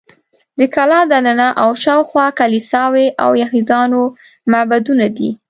د کلا دننه او شاوخوا کلیساوې او یهودانو معبدونه دي.